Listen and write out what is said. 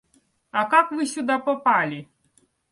А как вы сюда попали?